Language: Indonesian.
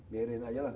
biarin aja lah